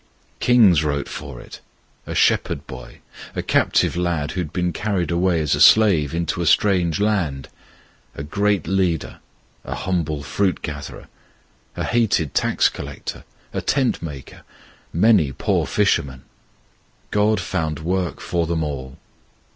Kings wrote for it; a shepherd boy; a captive lad who had been carried away as a slave into a strange land; a great leader; a humble fruit gatherer; a hated tax collector; a tent maker; many poor fishermen. God found work for them all.